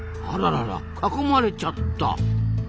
あららら囲まれちゃった。